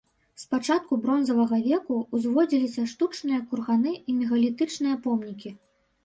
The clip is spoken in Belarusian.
З пачатку бронзавага веку ўзводзіліся штучныя курганы і мегалітычныя помнікі.